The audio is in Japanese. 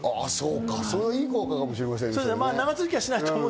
それはいい効果かもしれませんね。